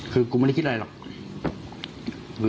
คือกูไม่ได้คิดอะไรหรอก